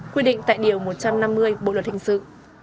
quy định tại điều một trăm năm mươi bộ luật hình sự